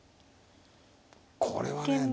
これはね